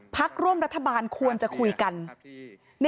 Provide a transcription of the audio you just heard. พักร่วมรัฐบาลควรจะคุยกัน